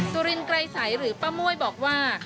สุรินไกรใสหรือป้าม่วยบอกว่า